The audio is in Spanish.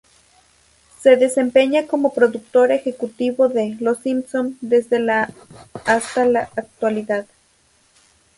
Se desempeña como productor ejecutivo de "Los Simpson" desde la hasta la actualidad.